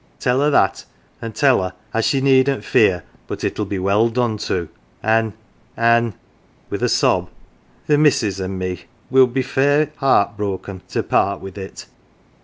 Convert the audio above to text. Tell her that, and tell her as she needn't fear but it'll be well done to an' an' " with a sob, " the missus an 1 me will be fair heart broken to part with it."